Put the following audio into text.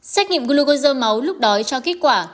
xách nghiệm glucosa máu lúc đói cho kết quả